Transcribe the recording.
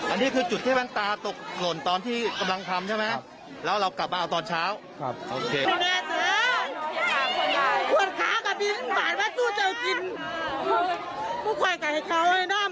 อันนี้คือจุดที่แมวตาตกหล่นตอนที่กำลำทำใช่ไหม